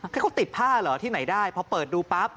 ให้เขาติดผ้าเหรอที่ไหนได้พอเปิดดูปั๊บ